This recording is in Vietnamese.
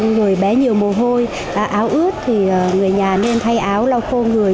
người bé nhiều mồ hôi áo ướt thì người nhà nên thay áo lau khô người